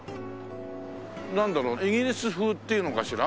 なんだろうイギリス風っていうのかしら。